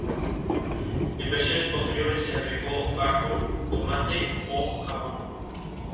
En versiones posteriores se agregó bacon, tomate o jamón.